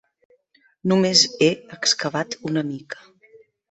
Només he excavat una mica.